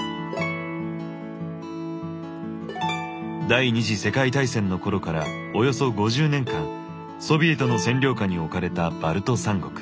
第２次世界大戦の頃からおよそ５０年間ソビエトの占領下に置かれたバルト三国。